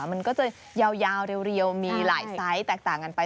มันก็จะยาวเรียวมีหลายไซส์แตกต่างกันไป